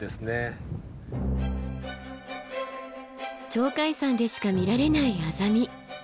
鳥海山でしか見られないアザミ。